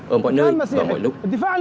ở mọi nơi và mọi lúc